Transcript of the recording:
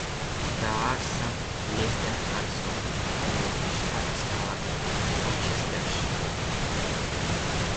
დააარსა ლესტერ ჰარისონმა ნიუ-იორკის შტატის ქალაქ როჩესტერში.